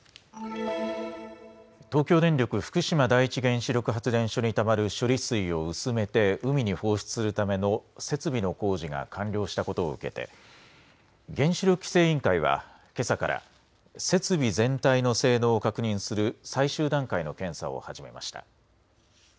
東京電力福島第一原子力発電所にたまる処理水を薄めて海に放出するための設備の工事が完了したことを受けて原子力規制委員会はけさから設備全体の性能を確認する最終段階の検査を始めました。